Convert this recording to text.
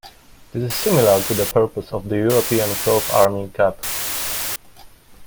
This is similar to the purpose of the European cloth arming cap.